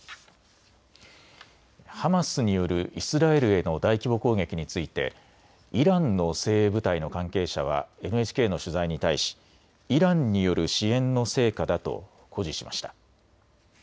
ハマスによるイスラエルへの大規模攻撃についてイランの精鋭部隊の関係者はＮＨＫの取材に対しイランによる支援の成果だと誇示しました。